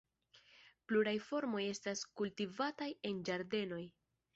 Pluraj formoj estas kultivataj en ĝardenoj.